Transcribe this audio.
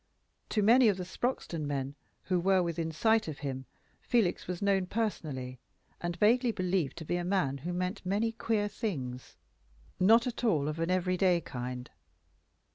To many of the Sproxton men who were within sight of him, Felix was known personally, and vaguely believed to be a man who meant many queer things, not at all of an everyday kind.